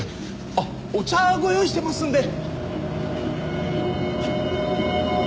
あっお茶ご用意してますんで。